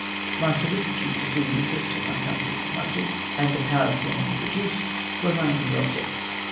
My solicitude to see the interests of my country promoted and the power of the enemy reduced were my only objects.